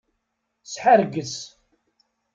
Sḥerges.